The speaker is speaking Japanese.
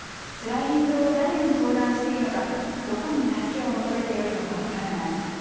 つらい現状を誰に相談していいのか、どこに助けを求めてよいのか分からない。